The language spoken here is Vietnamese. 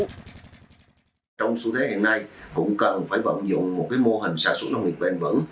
trong xu thế hiện nay cũng cần phải vận dụng một mô hình sản xuất nông nghiệp bền vững